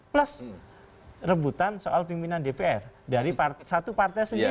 plus rebutan soal pimpinan dpr dari satu partai sendiri